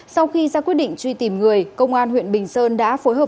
sau khi ra quyết định truy tìm người công an huyện bình sơn đã phối hợp